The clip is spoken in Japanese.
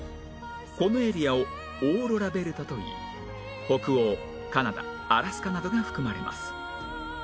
このエリアをオーロラベルトといい北欧カナダアラスカなどが含まれます